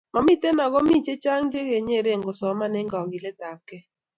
Momitei ago mi chechang chekecherei kosoman eng kogiletabkei